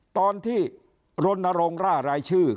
ตอนที่รณรงค์ร่ารายชื่อ